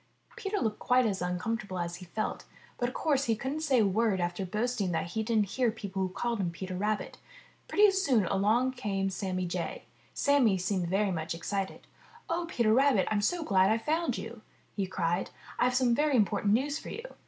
Peter looked quite as uncomfortable as he felt, but of course he couldn't say a word after boasting that he didn't hear people who called him Peter Rabbit. Pretty soon along came Sammy Jay. Sammy seemed very much excited. *'0h, Peter Rabbit, I'm so glad I've found you!" he cried. "I've some very important news for you!"